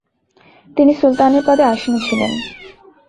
তিনি সুলতানের পদে আসীন ছিলেন।